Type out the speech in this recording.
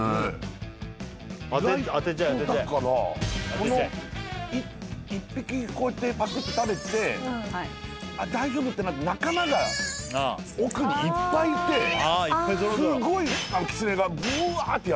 この１匹こうやってぱくって食べて大丈夫ってなって仲間が奥にいっぱいいてすごいキツネがぶわってやって来る。